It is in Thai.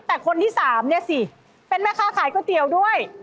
แต่คนที่สามเนี่ยสิเป็นแม่ค้าขายก๋วยเตี๋ยวด้วย